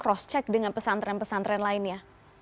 cross check dengan pesantren pesantren lainnya